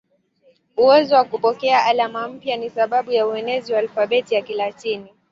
Uwezo wa kupokea alama mpya ni sababu ya uenezi wa alfabeti ya Kilatini.